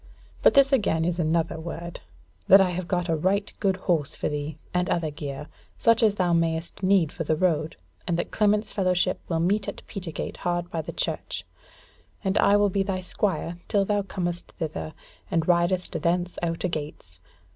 But this again is another word, that I have got a right good horse for thee, and other gear, such as thou mayest need for the road, and that Clement's fellowship will meet in Petergate hard by the church, and I will be thy squire till thou comest thither, and ridest thence out a gates.